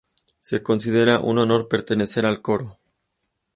Se considera un honor pertenecer al coro.